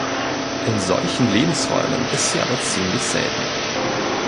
In solchen Lebensräumen ist sie aber ziemlich selten.